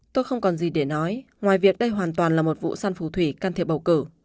tôi không còn gì để nói ngoài việc đây hoàn toàn là một vụ săn phù thủy can thiệp bầu cử